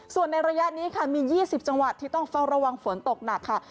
ส่วนในระยะนี้ค่ะมี๒๐จังหวัดที่ต้องเฝ้าระวังฝนตกหนักค่ะ